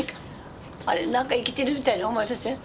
あれ何か生きてるみたいに思いません？